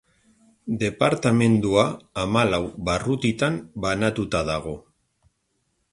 Departamendua hamalau barrutitan banatuta dago.